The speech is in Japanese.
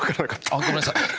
あっごめんなさい。